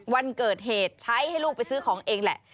วันเกิดเหตุใช้ให้ลูกไปซื้อของเองแหละ